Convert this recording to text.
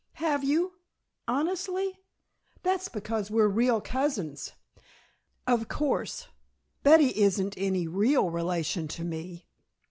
"Have you honestly? That's because we're real cousins. Of course, Betty isn't any real relation to me."